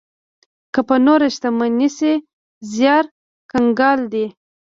که په نوره شتمنۍ شي، زيار کنګال دی.